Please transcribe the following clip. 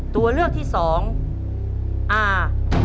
ตัวเลือกที่สองอา